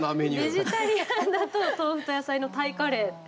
ベジタリアンだと「豆腐と野菜のタイカレー」。